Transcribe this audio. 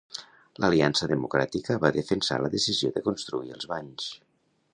L'Aliança Democràtica va defensar la decisió de construir els banys.